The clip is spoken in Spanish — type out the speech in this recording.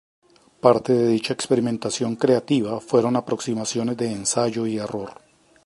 Parte de dicha experimentación creativa fueron aproximaciones de ensayo y error.